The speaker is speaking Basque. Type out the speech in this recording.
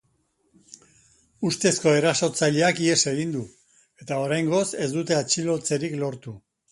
Ustezko erasotzaileak ihes egin du, eta oraingoz ez dute atxilotzerik lortu.